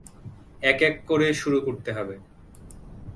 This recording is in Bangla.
এক এক করে শুরু করতে হবে।